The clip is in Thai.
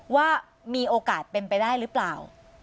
ว่ามีโอกาสเป็นไปได้หรือเปล่า